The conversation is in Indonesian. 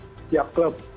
berhentikan setiap klub